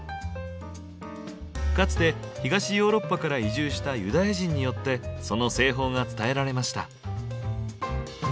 かつて東ヨーロッパから移住したユダヤ人によってその製法が伝えられました。